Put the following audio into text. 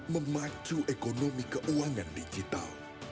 memacu ekonomi keuangan digital